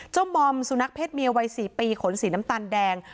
มอมสุนัขเศษเมียวัย๔ปีขนสีน้ำตาลแดง